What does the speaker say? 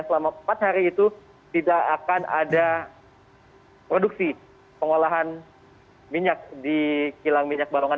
selama empat hari itu tidak akan ada produksi pengolahan minyak di kilang minyak barongan